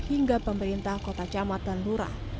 hingga pemerintah kota camatan lurah